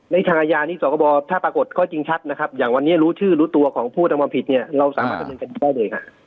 ทางอาญานี้สคบถ้าปรากฏข้อจริงชัดนะครับอย่างวันนี้รู้ชื่อรู้ตัวของผู้ทำความผิดเนี่ยเราสามารถดำเนินคดีได้เลยค่ะ